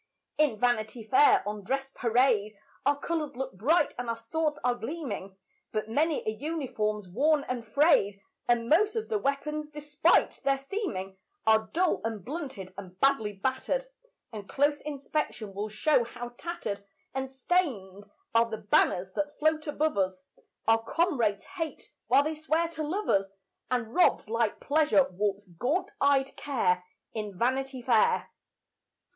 In Vanity Fair, on dress parade, Our colours look bright and our swords are gleaming; But many a uniform's worn and frayed, And most of the weapons, despite their seeming, Are dull and blunted and badly battered, And close inspection will show how tattered And stained are the banners that float above us. Our comrades hate, while they swear to love us; And robed like Pleasure walks gaunt eyed Care, In Vanity Fair.